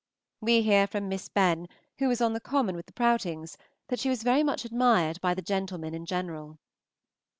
We hear from Miss Benn, who was on the Common with the Prowtings, that she was very much admired by the gentlemen in general.